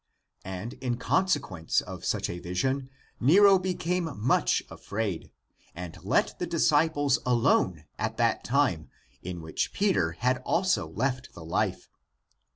^^^ And in conse quence of such a vision ^^^ Nero became much afraid, and let the disciples ^^^ alone at that time, in which Peter had also left the life.